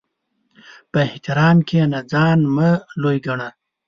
په احترام کښېنه، ځان مه لوی ګڼه.